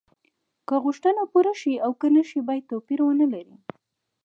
که غوښتنه پوره شي او که نشي باید توپیر ونلري.